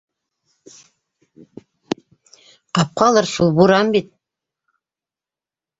Ҡапҡалыр шул, буран бит.